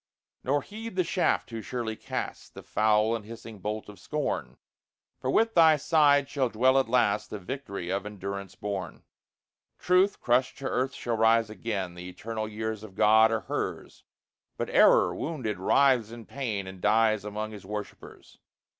Nor heed the shaft too surely cast, The foul and hissing bolt of scorn; For with thy side shall dwell, at last, The victory of endurance born. Truth, crushed to earth, shall rise again The eternal years of God are hers; But Error, wounded, writhes in pain, And dies among his worshipers.